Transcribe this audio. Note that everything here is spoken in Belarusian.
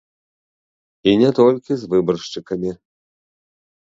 І не толькі з выбаршчыкамі.